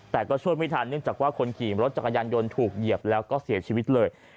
แต่ก็ช่วยไม่ทันเนื่องจากว่าคนขี่รถจักรยานยนต์ถูกเหยียบแล้วก็เสียชีวิตเลย